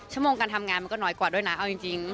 ชั่วโมงการทำงานมันก็น้อยกว่าด้วยนะเอาจริง